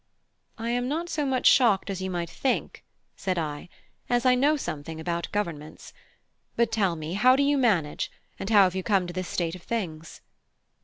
"I am not so much shocked as you might think," said I, "as I know something about governments. But tell me, how do you manage, and how have you come to this state of things?"